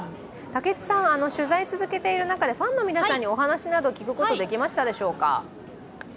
取材続けている中で、ファンの皆さんにお話など聞くことができましたでしょうか？